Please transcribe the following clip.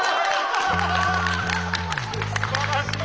すばらしい！